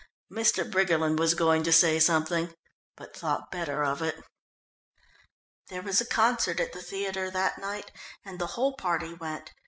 Mr. Briggerland was going to say something, but thought better of it. There was a concert at the theatre that night and the whole party went.